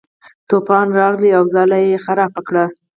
طوفان راغی او ځاله یې ویجاړه کړه.